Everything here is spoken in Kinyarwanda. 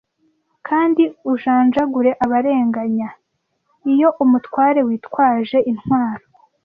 Kandi ujanjagure abarenganya. Iyo umutware witwaje intwaro,